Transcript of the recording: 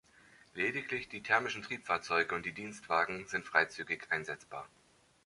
Lediglich die thermischen Triebfahrzeuge und die Dienstwagen sind freizügig einsetzbar.